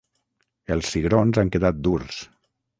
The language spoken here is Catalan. Els cigrons han quedat durs.